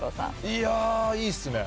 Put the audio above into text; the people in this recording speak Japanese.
いやあいいっすね。